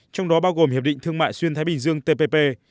trong đó bao gồm hiệp định thương mại xuyên thái bình dương tpp